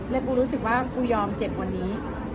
และปูรู้สึกว่าปูยอมเจ็บกว่านี้